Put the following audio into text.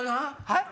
はい？